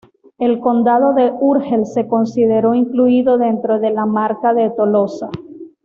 El condado de Urgel se consideró incluido dentro de la Marca de Tolosa.